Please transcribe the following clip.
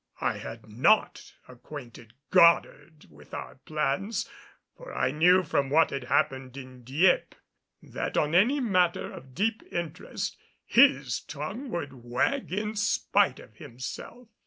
I had not acquainted Goddard with our plans, for I knew from what had happened in Dieppe that on any matter of deep interest his tongue would wag in spite of himself.